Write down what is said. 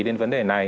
đến vấn đề này